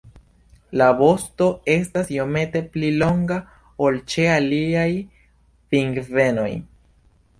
La vosto estas iomete pli longa ol ĉe aliaj pingvenoj.